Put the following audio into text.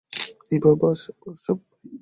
ইপা বাসে সেবা পাই।